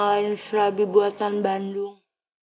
enak nih gak ada yang bisa ngalahin serabi buatan bandung